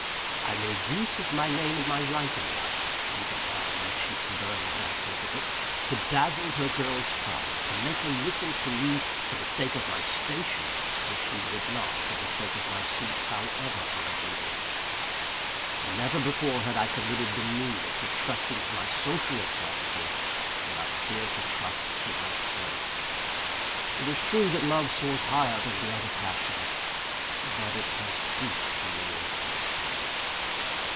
I made use of my name and my rank in life even now, my cheeks burn while I think of it to dazzle her girl's pride, to make her listen to me for the sake of my station, if she would not for the sake of my suit, however honourably urged. Never before had I committed the meanness of trusting to my social advantages, what I feared to trust to myself. It is true that love soars higher than the other passions; but it can stoop lower as well.